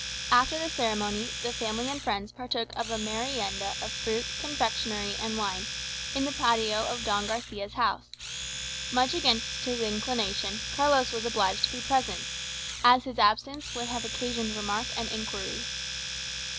After the event, the family and friends partook of a merienda of fruit, confectionery, and wine, in the patio of Don Garçia's house. Much against his inclination, Carlos was obliged to be present, as his absence would have occasioned remark and inquiry.